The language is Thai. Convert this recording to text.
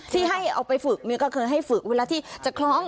ที่ให้เอาไปฝึกนี่ก็คือให้ฝึกเวลาที่จะคล้อง